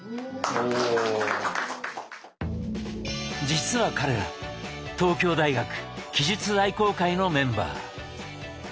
実は彼ら東京大学奇術愛好会のメンバー。